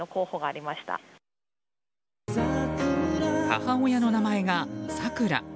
母親の名前がサクラ。